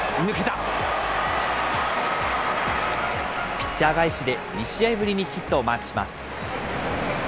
ピッチャー返しで、２試合ぶりにヒットをマークします。